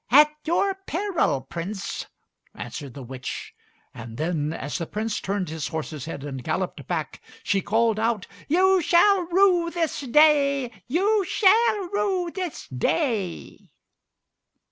"At your peril, Prince," answered the witch. And then, as the Prince turned his horse's head and galloped back, she called out, "You shall rue this day! You shall rue this day!"